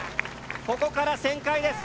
ここから旋回です。